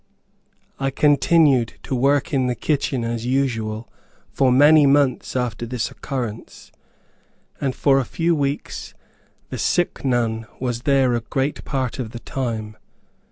I continued to work in the kitchen as usual for many months after this occurrence, and for a few weeks the sick nun was there a great part of the time.